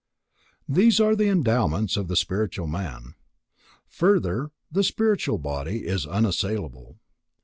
These are the endowments of the spiritual man. Further, the spiritual body is unassailable.